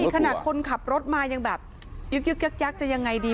ขนาดคนขับรถมายังแบบยึกยักจะยังไงดี